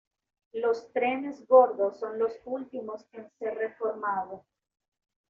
Los trenes gordos son los últimos en ser reformado.